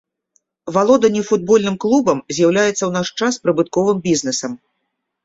Валоданне футбольным клубам з'яўляецца ў наш час прыбытковым бізнесам.